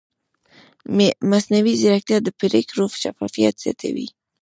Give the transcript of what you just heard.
مصنوعي ځیرکتیا د پرېکړو شفافیت زیاتوي.